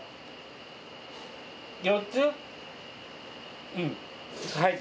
４つ？